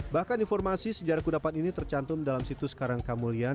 bahkan informasi sejarah kudapat ini tercantum dalam situs karangkamulian